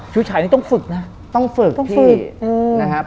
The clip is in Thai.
ฉุยฉายครับผม